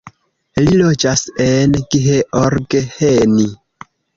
Li loĝas en Gheorgheni.